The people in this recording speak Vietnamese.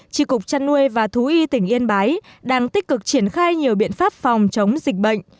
tri cục chăn nuôi và thú y tỉnh yên bái đang tích cực triển khai nhiều biện pháp phòng chống dịch bệnh